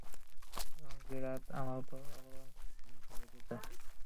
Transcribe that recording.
এমনকি রাত আমার উপর আবরণ ঢেলে দিত।